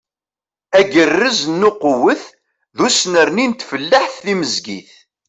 Agerrez n uqewwet d usnerni n tfellaḥt timezgit.